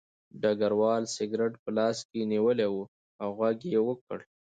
ډګروال سګرټ په لاس کې نیولی و او غږ یې وکړ